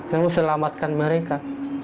saya mau selamatkan mereka